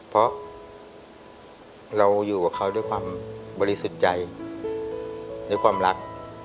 เพราะเราอยู่กับเขาด้วยความบริสุทธิ์ใจด้วยความรัก